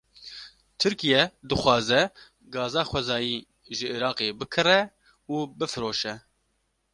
Tirkiye, dixwaze gaza xwezayî ji Îraqê bikire û bifroşe